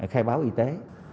khai báo y tế